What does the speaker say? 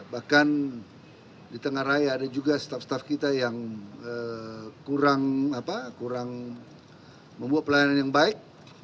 bahkan di tengah raya ada juga staff staff kita yang kurang membuat pelayanan yang baik